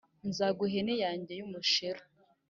nzaguha ihene yanjye y'umusheru .